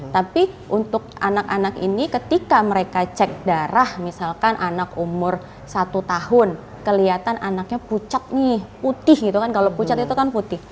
tapi untuk anak anak ini ketika mereka cek darah misalkan anak umur satu tahun kelihatan anaknya pucat nih putih gitu kan kalau pucat itu kan putih